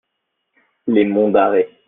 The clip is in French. Les Monts d'Arrée.